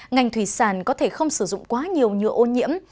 ngành thủy sản có thể không sử dụng quá nhiều nhựa ô nhiễm